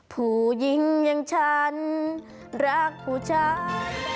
ผู้หญิงอย่างฉันรักผู้ชาย